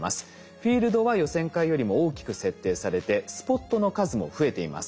フィールドは予選会よりも大きく設定されてスポットの数も増えています。